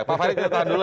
pak farid kita tahan dulu